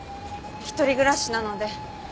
一人暮らしなので。